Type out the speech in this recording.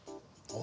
お！